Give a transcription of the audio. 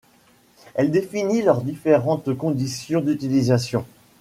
Elle définit leurs différentes conditions d'utilisation.